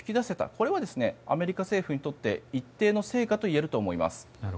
これはアメリカ政府にとって一定の成果といえると思います。